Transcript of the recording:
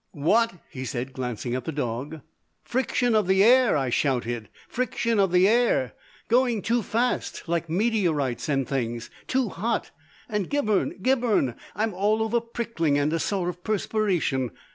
"What?" he said, glancing at the dog. "Friction of the air," I shouted. "Friction of the air. Going too fast. Like meteorites and things. Too hot. And, Gibberne! Gibberne! I'm all over pricking and a sort of perspiration.